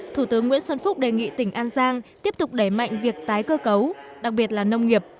thủ tướng nguyễn xuân phúc đề nghị tỉnh an giang tiếp tục đẩy mạnh việc tái cơ cấu đặc biệt là nông nghiệp